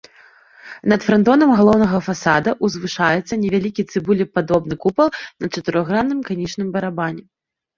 Над франтонам галоўнага фасада ўзвышаецца невялікі цыбулепадобны купал на чатырохгранным канічным барабане.